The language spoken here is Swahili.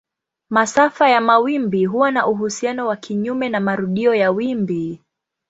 Masafa ya mawimbi huwa na uhusiano wa kinyume na marudio ya wimbi.